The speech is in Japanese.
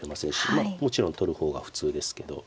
まあもちろん取る方が普通ですけど。